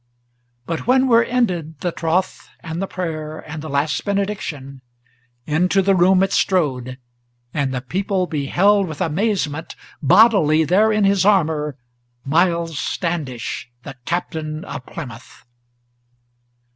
But when were ended the troth and the prayer and the last benediction, Into the room it strode, and the people beheld with amazement Bodily there in his armor Miles Standish, the Captain of Plymouth!